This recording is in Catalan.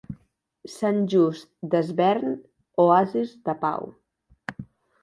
Sant Just Desvern, oasis de pau.